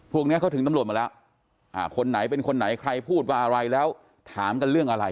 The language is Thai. พวกนี้เขาถึงตำรวจมาแล้วคนไหนเป็นคนไหนใครพูดว่าอะไรแล้วถามกันเรื่องอะไร